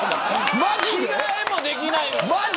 着替えもできない。